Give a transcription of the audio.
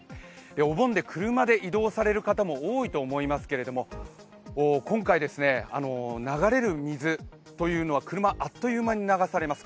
お盆で車で移動される方も多いと思いますけれども、流れる水というのは車、あっという間に流されます。